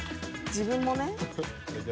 自分もね。